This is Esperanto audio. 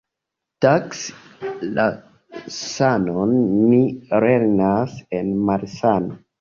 Taksi la sanon ni lernas en malsano.